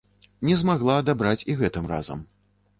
Не змагла адабраць і гэтым разам.